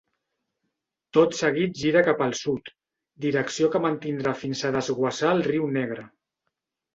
Tot seguit gira cap al sud, direcció que mantindrà fins a desguassar al Riu Negre.